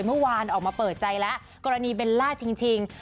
เมื่อวานออกมาเปิดใจแล้วกรณีเบลล่าจริง